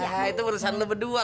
ya itu perasaan lu berdua